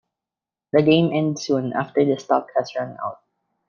The game ends soon after the stock has run out.